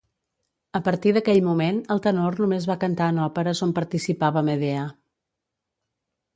A partir d'aquell moment el tenor només va cantar en òperes on participava Medea.